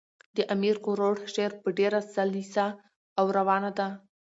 د امیر کروړ شعر ژبه ډېره سلیسه او روانه ده.